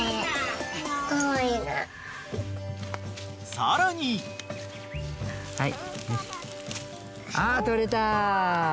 ［さらに］はい。